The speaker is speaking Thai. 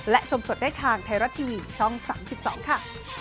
และชมสดได้ทางไทยรัฐทีวีช่อง๓๒ค่ะ